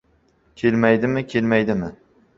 — Kelmaydimi, kelmaydimi?